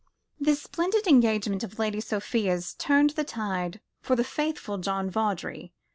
This splendid engagement of Lady Sophia's turned the tide for the faithful John Vawdrey.